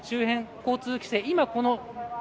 周辺交通規制